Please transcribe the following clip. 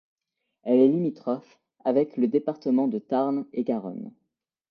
Elle est limitrophe avec le département de Tarn-et-Garonne.